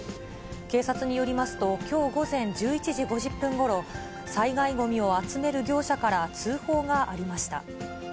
警察によりますと、きょう午前１１時５０分ごろ、災害ごみを集める業者から通報がありました。